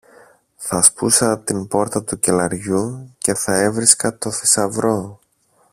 θα σπούσα την πόρτα του κελαριού και θα έβρισκα το θησαυρό